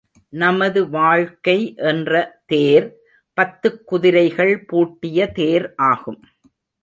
நமது வாழ்க்கை என்ற தேர் பத்துக் குதிரைகள் பூட்டிய தேர் ஆகும்.